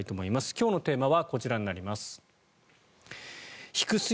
今日のテーマはこちらになります。